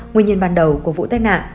nguyên nhân ban đầu của vụ tai nạn